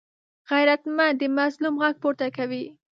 غیرتمند د مظلوم غږ پورته کوي